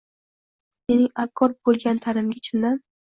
Mening abgor bo’lgan tanimga chindan